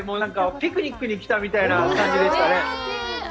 ピクニックにきたみたいな感じでしたね。